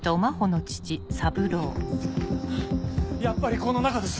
やっぱりこの中です！